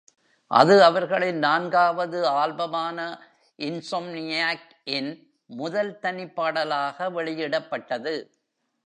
அது அவர்களின் நான்காவது ஆல்பமான "Insomniac"-இன் முதல் தனிப்பாடலாக வெளியிடப்பட்டது.